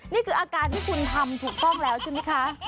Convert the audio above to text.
นี่คืออาการที่คุณทำถูกต้องแล้วใช่ไหมคะ